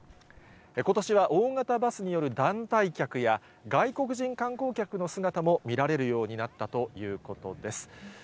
ことしは大型バスによる団体客や、外国人観光客の姿も見られるようになったということです。